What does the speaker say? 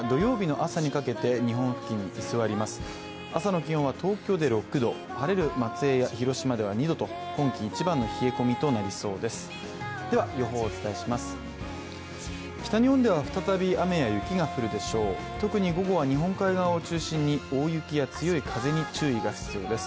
朝の気温は東京で６度晴れる松江や広島では２度と今季一番の冷え込みとなりそうです。